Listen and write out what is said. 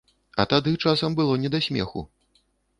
А тады часам было не да смеху.